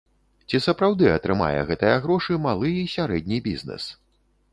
Ці сапраўды атрымае гэтыя грошы малы і сярэдні бізнэс?